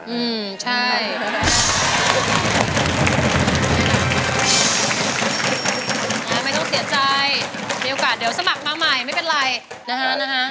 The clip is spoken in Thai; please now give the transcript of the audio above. อืมใช่ไม่ต้องเสียใจมีโอกาสเดี๋ยวสมัครมาใหม่ไม่เป็นไรนะฮะนะฮะ